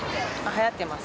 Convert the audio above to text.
はやってます。